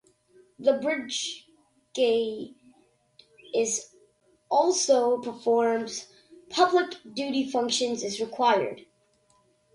The brigade also performs public-duty functions as required.